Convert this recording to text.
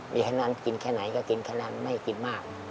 มีแค่นั้นกินแค่ไหนก็กินแค่นั้นไม่กินมาก